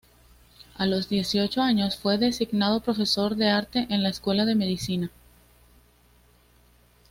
A los dieciocho años fue designado profesor de arte en la Escuela de Medicina.